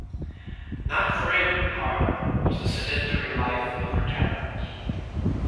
Not for him however was the sedentary life of retirement.